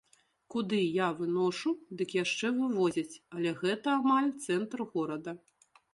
Куды я выношу, дык яшчэ вывозяць, але гэта амаль цэнтр горада.